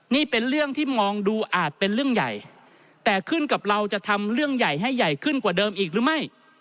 นี่เป็นเรื่องที่มองดูอาจเป็นเรื่องใหญ่แต่ขึ้นกับเราจะทำเรื่องใหญ่ให้ใหญ่ขึ้นกว่าเดิมอีกหรือไม่